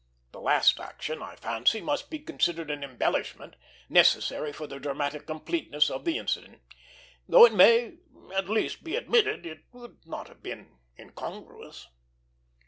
The last action, I fancy, must be considered an embellishment, necessary to the dramatic completeness of the incident, though it may at least be admitted it would not have been incongruous.